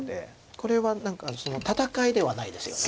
これは何か戦いではないですよね。